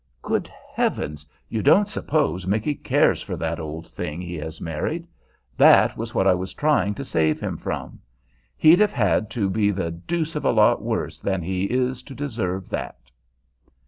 "Good heavens! you don't suppose Micky cares for that old thing he has married! That was what I was trying to save him from. He'd have had to be the deuce of a lot worse than he is to deserve that."